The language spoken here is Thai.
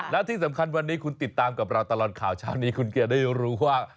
และที่สำคัญวันนี้คุณติดตามกับเราตลอดข่าวเช้านี้คุณเกียร์ได้รู้ว่า